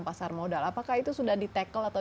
pasar modal apakah itu sudah di tackle atau